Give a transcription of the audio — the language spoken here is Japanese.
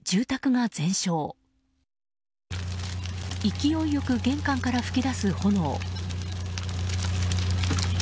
勢いよく玄関から噴き出す炎。